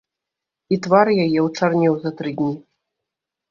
І твар яе ўчарнеў за тры дні.